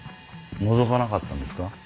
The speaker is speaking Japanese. のぞかなかったんですか？